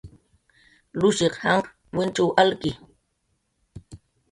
Lushiq janq' wincxw alki